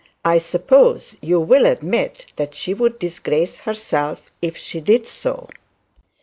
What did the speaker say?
I suppose you'll admit that she would disgrace herself if she did so.'